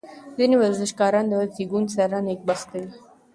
ځینې ورزشکاران د زېږون سره نېکبخته وي.